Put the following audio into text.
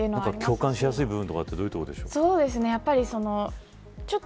共感しやすい部分とかはどういうところでしょう。